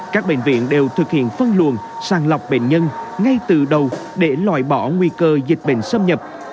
các bệnh viện đều thực hiện phân luồn sàng lọc bệnh nhân ngay từ đầu để loại bỏ nguy cơ dịch bệnh xâm nhập